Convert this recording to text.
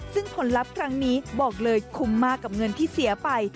ซึ่งผลลัพธ์ครั้งนี้บอกเลยคุ้มมากกับเงินที่เสียไป